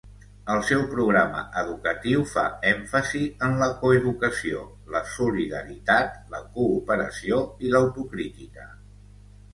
El seu programa educatiu fa èmfasi en la coeducació, la solidaritat, la cooperació i l'autocrítica.